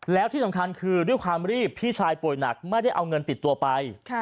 แล้วที่สำคัญคือด้วยความรีบพี่ชายป่วยหนักไม่ได้เอาเงินติดตัวไป